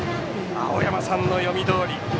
青山さんの読みどおり